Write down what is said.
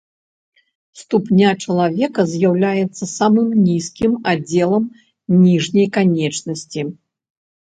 Ступня чалавека з'яўляецца самым нізкім аддзелам ніжняй канечнасці.